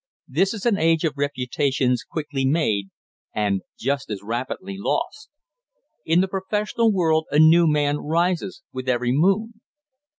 This is an age of reputations quickly made, and just as rapidly lost. In the professional world a new man rises with every moon."